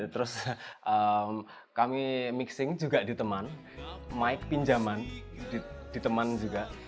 terus kami mixing juga di pinjaman di teman juga